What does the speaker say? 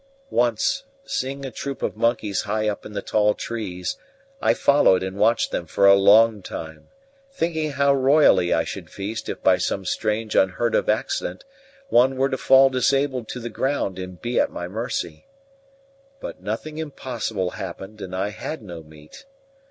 Once, seeing a troop of monkeys high up in the tall trees, I followed and watched them for a long time, thinking how royally I should feast if by some strange unheard of accident one were to fall disabled to the ground and be at my mercy. But nothing impossible happened, and I had no meat.